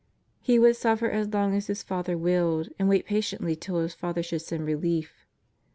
'' He would suffer as long as His Father willed, and wait patiently till His Father should send relief.